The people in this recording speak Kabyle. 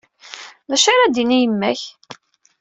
D acu ara d-tini yemma-k?